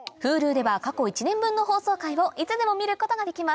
Ｈｕｌｕでは過去１年分の放送回をいつでも見ることができます